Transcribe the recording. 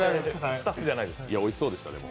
おいしそうでした、でも。